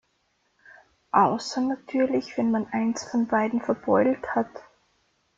Außer natürlich, wenn man eins von beiden verbeult hat.